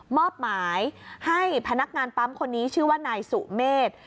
มอบหมายให้พนักงานปั๊มคนนี้ชื่อว่านายสุเมฆ